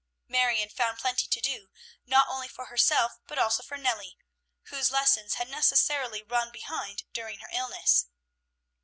Marion found plenty to do, not only for herself, but also for Nellie, whose lessons had necessarily run behind during her illness.